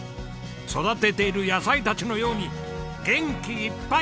育てている野菜たちのように元気いっぱい！